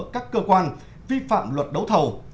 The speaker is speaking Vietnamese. các cơ quan vi phạm luật đấu thầu